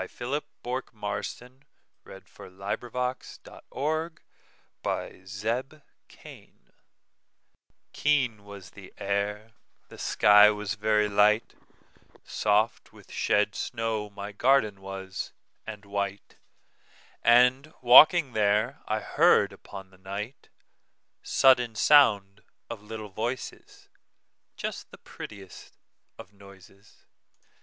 Philip Bourke Marston 1850–87 Garden Fairies KEEN was the air, the sky was very light, Soft with shed snow my garden was, and white, And, walking there, I heard upon the nightSudden sound of little voices, Just the prettiest of noises.